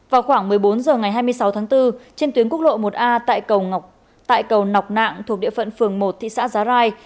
vào khoảng một mươi bốn h ngày hai mươi sáu tháng bốn trên tuyến quốc lộ một a tại cầu nọc nạng thuộc địa phận phường một thị xã giá rai